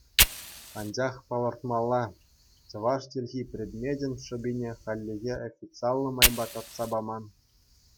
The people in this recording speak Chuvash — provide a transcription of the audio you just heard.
Анчах палӑртмалла: чӑваш чӗлхи предмечӗн шӑпине хальлӗхе официаллӑ майпа татса паман.